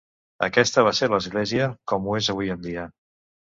Aquesta va ser l'església com ho és avui en dia.